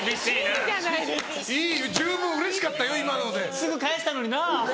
すぐ返したのになぁ。